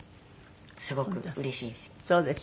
すごくうれしいです。